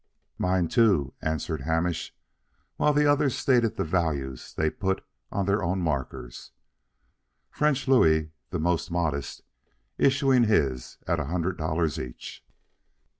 "Mine, too," answered Harnish, while the others stated the values they put on their own markers, French Louis, the most modest, issuing his at a hundred dollars each.